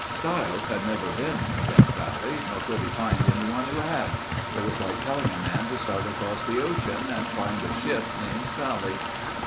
Stiles had never been in Death Valley nor could he find anyone who had. It was like telling a man to start across the ocean and find a ship named Sally.